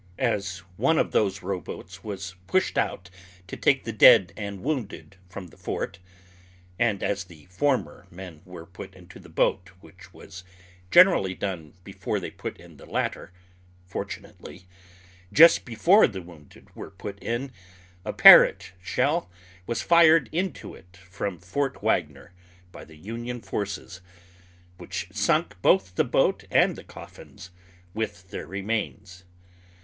As one of those rowboats was pushed out to take the dead and wounded from the fort, and as the for men were put into the boat, which was generally done before they put in the latter, fortunately, just before the wounded were put in, a Parrott shell was fired into it from Fort Wagner by the Union forces, which sunk both the boat and the coffins, with their remains.